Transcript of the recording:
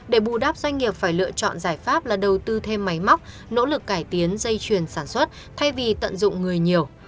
để bù đáp doanh nghiệp phải lựa chọn giải pháp là đầu tư thêm máy móc nỗ lực cải tiến dây chuyền sản xuất thay vì tận dụng người nhiều